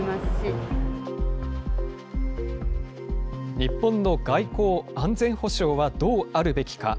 日本の外交・安全保障はどうあるべきか。